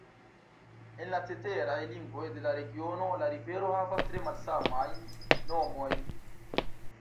En la ceteraj lingvoj de la regiono la rivero havas tre malsamajn nomojn.